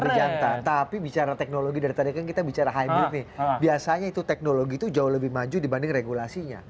lebih jantan tapi bicara teknologi dari tadi kan kita bicara hybrid nih biasanya itu teknologi itu jauh lebih maju dibanding regulasinya